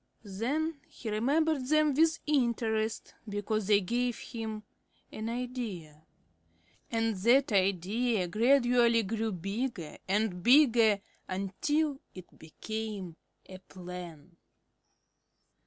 Then he remembered them with interest because they gave him an idea. And that idea gradually grew bigger and bigger until it became a plan.